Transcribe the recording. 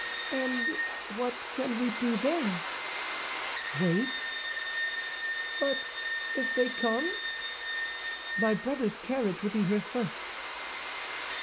"And what can we do there?" "Wait." "But if they come?" "My brother's carriage will be here first."